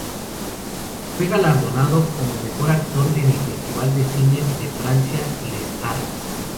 Fue galardonado como mejor actor en el Festival de Cine de Francia Les Arcs.